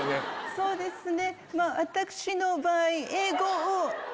そうですね。